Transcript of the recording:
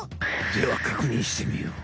ではかくにんしてみよう。